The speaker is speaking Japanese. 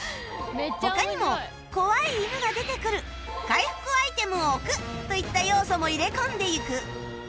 他にも「怖い犬が出てくる」「回復アイテムを置く」といった要素も入れ込んでいく